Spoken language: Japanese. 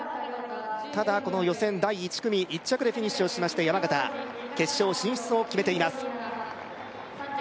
ただこの予選第１組１着でフィニッシュをしました山縣決勝進出を決めています